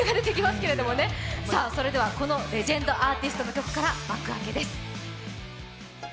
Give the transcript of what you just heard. このレジェンドアーティストの曲から幕開けです。